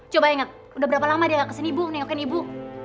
coba ingat udah berapa lama dia gak kesini ibu nengokin ibu